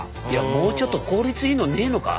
もうちょっと効率のいいのねえのか？